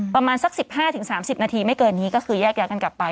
ประมาณสัก๑๕๓๐นาทีไม่เกินนี้ก็คือแยกย้ายกันกลับไป